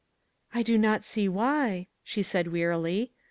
I do not see why," she said, wearily.